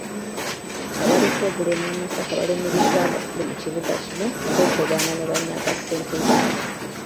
Abaliko obulemu e Masaka balumirizza abakulu mu kibuga kino okwekobaana ne banyaga ssente zaabwe